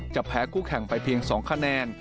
แพ้คู่แข่งไปเพียง๒คะแนน